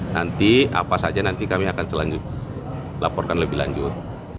nanti apa saja nanti kami akan laporkan lebih lanjut